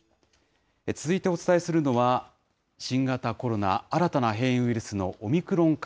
続いてお伝えするのは、新型コロナ、新たな変異ウイルスのオミクロン株。